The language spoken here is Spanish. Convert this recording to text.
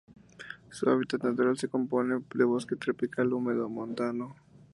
Su hábitat natural se compone de bosque tropical húmedo montano.